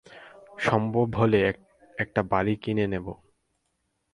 সম্ভব হলে একটা বাড়ি কিনে নেব।